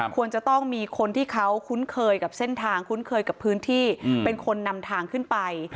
ควรจะต้องมีคนที่เขาคุ้นเคยกับเส้นทางคุ้นเคยกับพื้นที่เป็นคนนำทางขึ้นไป